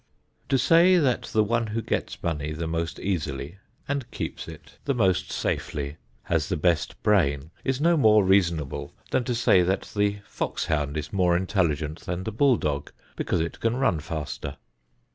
To say that the one who gets money the most easily and keeps it the most safely has the best brain is no more reasonable than to say that the foxhound is more intelligent than the bull dog because it can run faster.